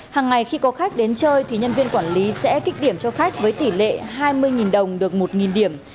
hàng ngày khi có khách đến chơi thì nhân viên quản lý sẽ kích điểm cho khách với tỷ lệ hai mươi đồng được một điểm